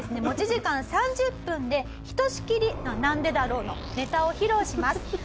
持ち時間３０分でひとしきり「なんでだろう」のネタを披露します。